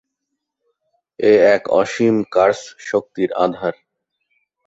সে এক অসীম কার্স শক্তির আঁধার।